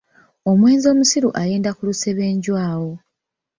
Omwenzi omusiru ayenda ku lusebenju awo.